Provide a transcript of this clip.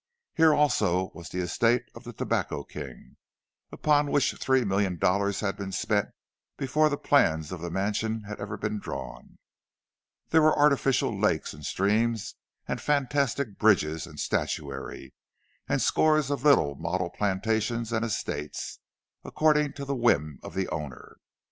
Here, also, was the estate of the tobacco king, upon which three million dollars had been spent before the plans of the mansion had even been drawn; there were artificial lakes and streams, and fantastic bridges and statuary, and scores of little model plantations and estates, according to the whim of the owner.